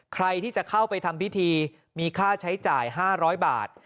ใครที่จะเข้าไปทำพิธีมีค่าใช้จ่าย๕๐๐บาท